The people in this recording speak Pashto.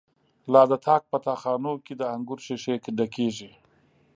لا د تاک په تا خانو کی، د انگور ښیښی ډکیږی